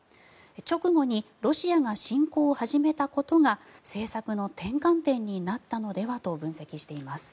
直後にロシアが侵攻を始めたことが政策の転換点になったのではと分析しています。